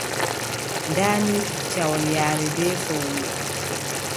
Ndaa ni kiccawol yaare bee fowru.